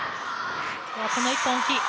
この１本大きい。